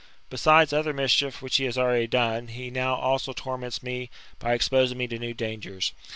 Besides other mischief which he has already done, he now also torments me by exposing me to new dangers.